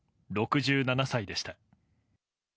６７歳でした。